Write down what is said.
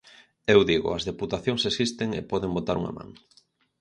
Eu digo: as deputacións existen e poden botar unha man.